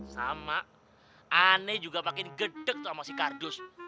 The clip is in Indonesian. sama aneh juga makin gedek tuh sama si kardus